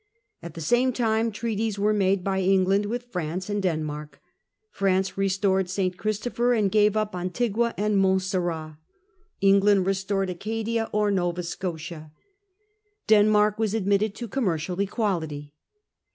At the same time trea and 1 France tics were made by England with France and Denmark. Denmark. France restored St. Christopher, and gave up Antigua and Montsdrat. England restored Acadia, or Nova Scotia. Denmark was admitted to com mercial equality.